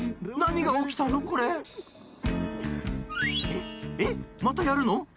何が起きたの、これ？え、え、またやるの？